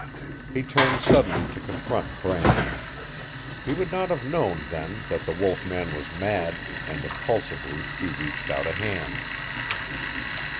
He turned suddenly to confront Bram. He would not have known then that the wolf man was mad, and impulsively he reached out a hand.